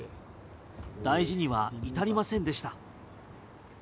大事には至りませんでした。